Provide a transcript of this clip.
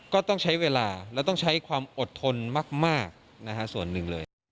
ก็ต้องใช้เวลาและต้องใช้ความอดทนมากนะฮะส่วนหนึ่งเลย